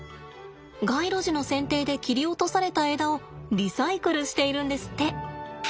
街路樹の剪定で切り落とされた枝をリサイクルしているんですって。